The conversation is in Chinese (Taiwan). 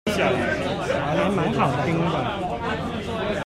還蠻好聽的